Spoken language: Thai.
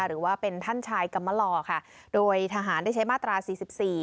หรือว่าเป็นท่านชายกรรมหล่อค่ะโดยทหารได้ใช้มาตราสี่สิบสี่